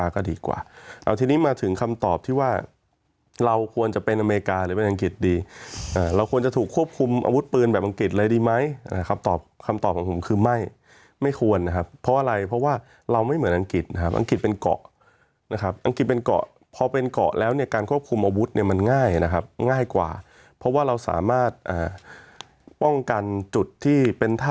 ก็ดีกว่าเอาทีนี้มาถึงคำตอบที่ว่าเราควรจะเป็นอเมริกาหรือเป็นอังกฤษดีเราควรจะถูกควบคุมอาวุธปืนแบบอังกฤษเลยดีไหมคำตอบคำตอบของผมคือไม่ไม่ควรนะครับเพราะอะไรเพราะว่าเราไม่เหมือนอังกฤษนะครับอังกฤษเป็นเกาะนะครับอังกฤษเป็นเกาะพอเป็นเกาะแล้วเนี่ยการควบคุมอาวุธ